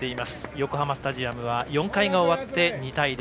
横浜スタジアムは４回が終わって２対０。